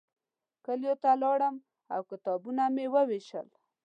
کلیو ته لاړم او کتابونه مې ووېشل.